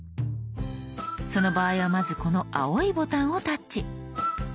その場合はまずこの青いボタンをタッチ。